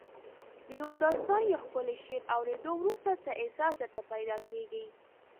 د یو داستان یا ښکلي شعر اوریدو وروسته څه احساس درته پیدا کیږي؟